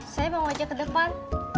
saya mau aja ke depan